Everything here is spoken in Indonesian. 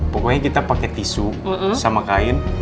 pokoknya kita pakai tisu sama kain